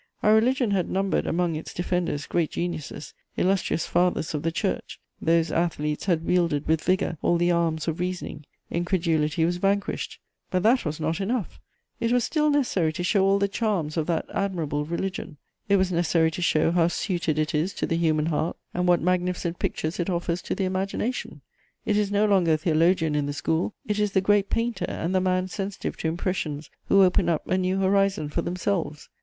Our religion had numbered among its defenders great geniuses, illustrious Fathers of the Church: those athletes had wielded with vigour all the arms of reasoning; incredulity was vanquished; but that was not enough: it was still necessary to show all the charms of that admirable religion; it was necessary to show how suited it is to the human heart and what magnificent pictures it offers to the imagination. It is no longer a theologian in the school, it is the great painter and the man sensitive to impressions who open up a new horizon for themselves.